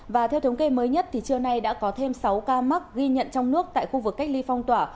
và theo thống kê mới nhất thì trưa nay đã có thêm sáu ca mắc ghi nhận trong nước tại khu vực cách ly phong tỏa